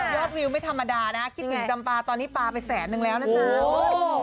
วิวไม่ธรรมดานะคิดถึงจำปลาตอนนี้ปลาไปแสนนึงแล้วนะจ๊ะ